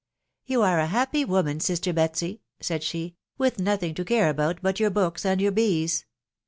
" You are a happy woman, sister Betsy," said she, " with nothing to care about but your books and your bees